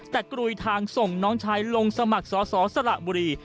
แต่กรุยทางส่งน้องชายลงสมัครสอสอสละบุรี